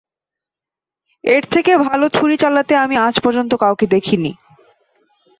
এর থেকে ভালো ছুরি চালাতে আমি আজ পর্যন্ত কাউকে দেখিনি।